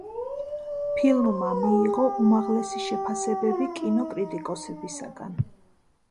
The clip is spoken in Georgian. ფილმმა მიიღო უმაღლესი შეფასებები კინოკრიტიკოსებისგან.